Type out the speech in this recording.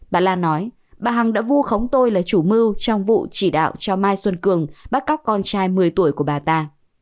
bà lan nói bà hằng đã vu khống tôi là chủ mưu trong vụ chỉ đạo cho mai xuân cường bắt cóc con trai một mươi tuổi của bà ta